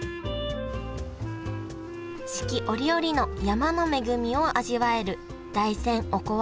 四季折々の山の恵みを味わえる大山おこわ